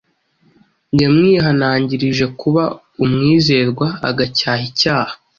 yamwihanangirije kuba umwizerwa agacyaha icyaha